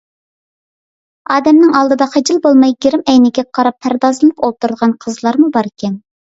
ئادەمنىڭ ئالدىدا خىجىل بولماي گىرىم ئەينىكىگە قاراپ پەردازلىنىپ ئولتۇرىدىغان قىزلارمۇ باركەن...